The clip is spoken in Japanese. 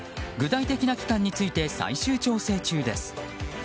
具体的な期間について最終調整中です。